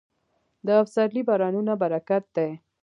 د پسرلي بارانونه برکت دی.